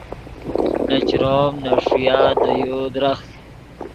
نے چروم نے ݰویا دے یو درخت